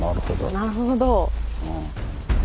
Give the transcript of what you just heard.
なるほど。